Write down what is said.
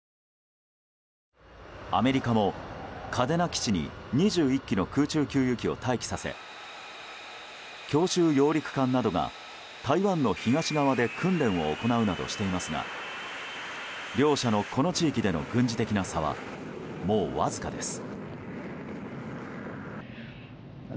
アメリカも嘉手納基地に２１機の空中給油機を待機させ強襲揚陸艦などが台湾の東側で訓練を行うなどしていますが両者のこの地域での軍事的な差はもうわずかです。